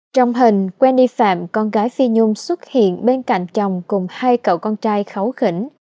trong hình quen đi phạm con gái phi nhung xuất hiện bên cạnh chồng cùng hai cậu con trai khấu khỉnh